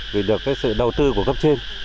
vì được sự đầu tư của cấp trên